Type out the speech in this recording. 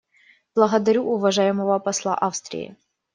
Благодарю уважаемого посла Австрии.